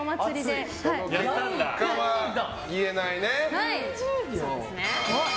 その結果は言えないね。